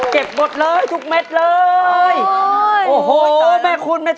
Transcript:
โปรดติดตามต่อไป